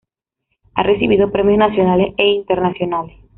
Ha recibido premios nacionales e internacionales.